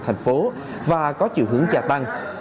chính là vàng thìa bàn thành phố và có chiều hướng trà tăng